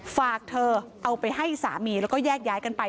ฝากเธอเอาไปให้สามีแล้วก็แยกย้ายกันไป